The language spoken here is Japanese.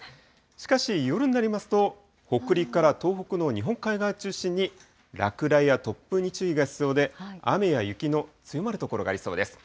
しかし夜になりますと、北陸から東北の日本海側を中心に落雷や突風に注意が必要で、雨や雪の強まる所がありそうです。